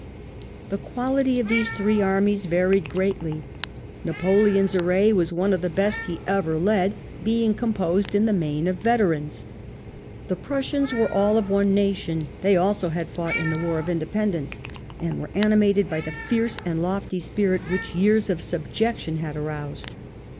The quality of these three armies varied greatly. Napoleon's array was one of the best he ever led, being composed in the main of veterans. The Prussians were all of one nation ; they also had fought in the War of Independence, and were animated by the fierce and lofty spirit which years of subjection had aroused.